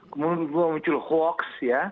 kemudian muncul hoax ya